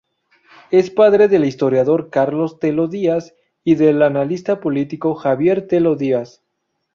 Es padre del historiador Carlos Tello Díaz y del analista político Javier Tello Díaz.